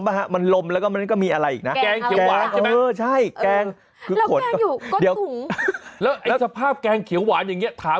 ด้วยความที่ถุงใหญ่จริงนะต้องใช้แรงเยอะ